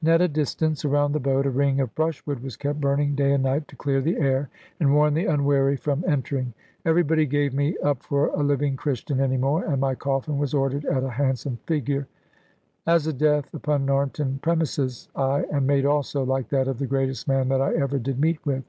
And at a distance around the boat, a ring of brushwood was kept burning, day and night, to clear the air, and warn the unwary from entering. Everybody gave me up for a living Christian any more, and my coffin was ordered at a handsome figure (as a death upon Narnton premises), ay, and made also, like that of the greatest man that I ever did meet with.